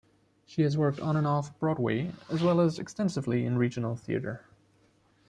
She has worked on and Off Broadway as well as extensively in regional theater.